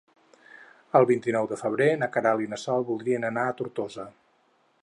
El vint-i-nou de febrer na Queralt i na Sol voldrien anar a Tortosa.